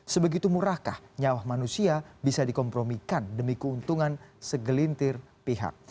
sebegitu murahkah nyawa manusia bisa dikompromikan demi keuntungan segelintir pihak